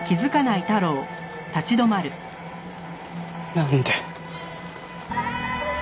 なんで。